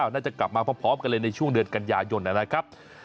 น่าจะกลับมาพร้อมกันเลยในช่วงเดือนกันยายนนะครับ